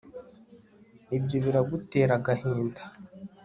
Ibyo biragutera agahinda